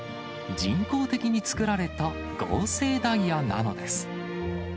人工的に作られた合成ダイヤなのです。